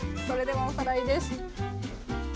それではおさらいです。